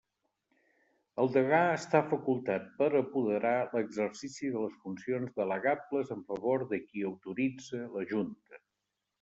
El degà està facultat per a apoderar l'exercici de les funcions delegables en favor de qui autoritze la Junta.